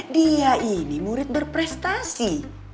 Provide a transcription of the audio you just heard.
dia ini murid berprestasi